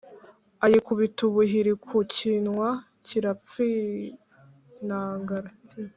ayikubita ubuhiri ku kinwa kirapyinagara.